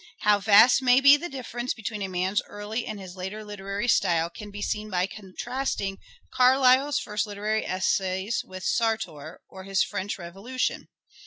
How vast may be the difference between a man's early and his later literary style can be seen by contrasting Carlyle's first literary essays with " Sartor " or his " French Revolution."